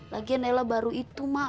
lagian nela baru itu mak